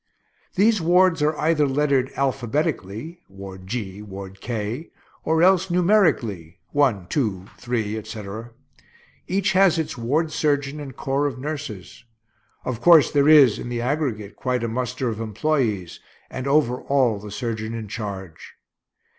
These wards are either lettered alphabetically, Ward G, Ward K, or else numerically, 1, 2, 3, etc. Each has its ward surgeon and corps of nurses. Of course there is, in the aggregate, quite a muster of employees, and over all the surgeon in charge.